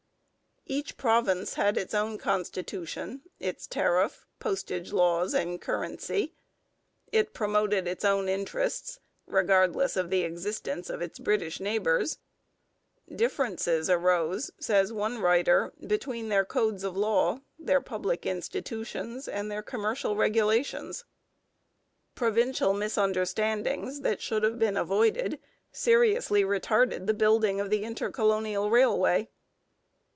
Each province had its own constitution, its tariff, postage laws, and currency. It promoted its own interests, regardless of the existence of its British neighbours. Differences arose, says one writer, between their codes of law, their public institutions, and their commercial regulations. Provincial misunderstandings, that should have been avoided, seriously retarded the building of the Inter colonial Railway.